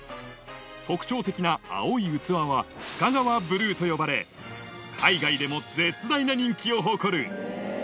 特徴的な青い器はフカガワブルーと呼ばれ、海外でも絶大な人気を誇る。